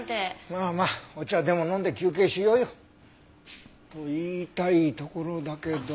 まあまあお茶でも飲んで休憩しようよと言いたいところだけど。